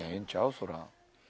そりゃ。